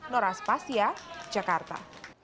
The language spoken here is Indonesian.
nora spasia jakarta